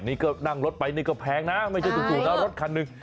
นี่ก็นั่งรถไปนี่ก็แพงนะไม่ใช่ถูกนะรถคันหนึ่ง